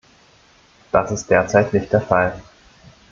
Das ist derzeit nicht der Fall.